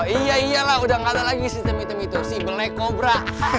iya iyalah udah gak ada lagi si temi temi itu si belekobra